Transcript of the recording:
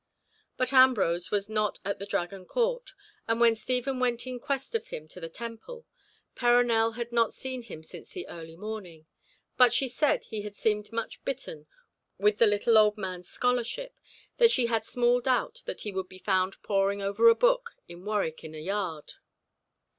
But Ambrose was not at the Dragon court, and when Stephen went in quest of him to the Temple, Perronel had not seen him since the early morning, but she said he seemed so much bitten with the little old man's scholarship that she had small doubt that he would be found poring over a book in Warwick Inner Yard.